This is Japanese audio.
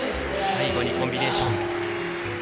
最後にコンビネーション。